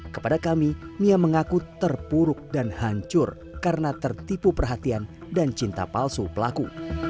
kepada kami mia mengaku terpuruk dan hancur karena tertipu perhatian dan cinta palsu pelaku